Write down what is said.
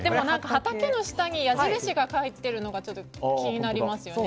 畑の中に矢印が書いてあるのが気になりますね。